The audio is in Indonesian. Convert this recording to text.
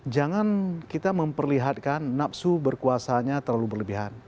jangan kita memperlihatkan nafsu berkuasanya terlalu berlebihan